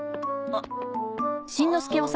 あっ！